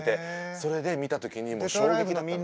それで見たときに衝撃だったの。